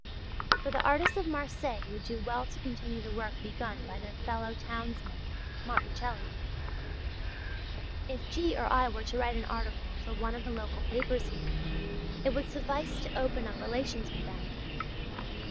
For the artists of Marseilles would do well to continue the work begun by their fellow townsman Monticelli. If G. or I were to write an article for one of the local papers here, it would suffice to open up relations with them.